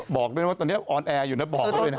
บอกด้วยว่าตอนนี้ออนแอร์อยู่นะบอกไว้ด้วยนะ